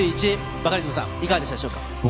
バカリズムさん、いかがでしたか？